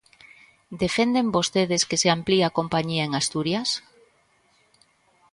¿Defenden vostedes que se amplíe a compañía en Asturias?